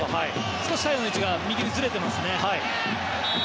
少しサイドの位置が右にずれていますね。